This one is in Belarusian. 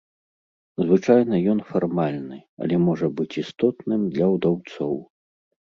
Звычайна ён фармальны, але можа быць істотным для ўдаўцоў.